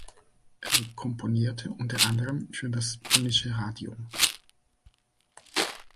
Er komponierte unter anderem für das Polnische Radio.